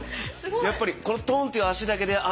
やっぱりこの「トン」っていう足だけであっ